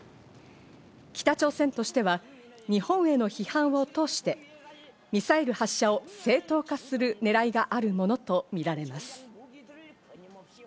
北朝鮮としては日本への批判を通してミサイル発射を正当化するねらいがあるものとみられます。